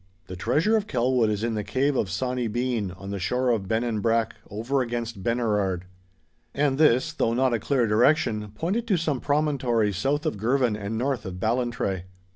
'The treasure of Kelwood is in the cave of Sawny Bean on the shore of Bennanbrack over against Benerard.' And this, though not a clear direction, pointed to some promontory south of Girvan and north of Ballantrae.